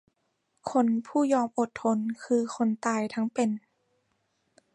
คนผู้ยอมอดทน คือคนตายทั้งเป็น